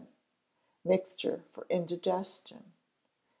Mixture for Indigestion.